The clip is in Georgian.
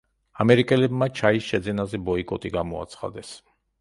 ამერიკელებმა ჩაის შეძენაზე ბოიკოტი გამოაცხადეს.